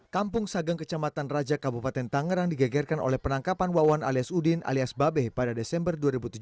kampung sagang kecamatan raja kabupaten tangerang digegerkan oleh penangkapan wawan alias udin alias babe pada desember dua ribu tujuh belas